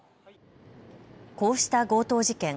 こうした強盗事件。